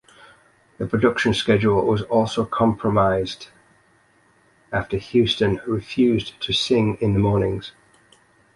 The production schedule was also compromised after Houston refused to sing in the mornings.